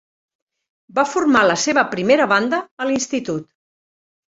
Va formar la seva primera banda a l'institut.